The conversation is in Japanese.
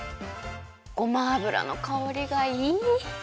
ごま油のかおりがいい！